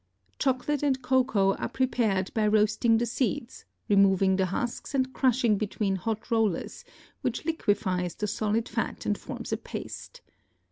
Chocolate and cocoa are prepared by roasting the seeds, removing the husks and crushing between hot rollers, which liquefies the solid fat and forms a paste.